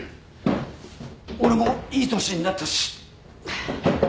俺もいい年になったし